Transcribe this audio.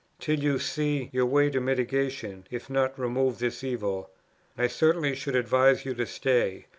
Till you see [your way to mitigate, if not remove this evil] I certainly should advise you to stay."